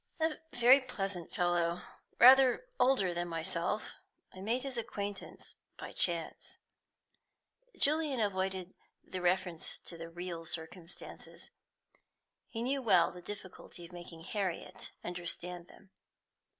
"A very pleasant fellow, rather older than myself; I made his acquaintance by chance." Julian avoided reference to the real circumstances. He knew well the difficulty of making Harriet understand them.